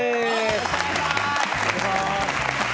よろしくお願いします。